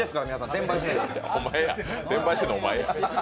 転売してんの、お前や。